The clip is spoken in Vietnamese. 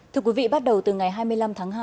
thưa quý vị bắt đầu từ ngày hai mươi năm tháng hai